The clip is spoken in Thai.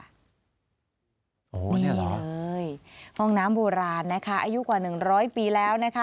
นี่เลยห้องน้ำโบราณอายุกว่า๑๐๐ปีแล้ว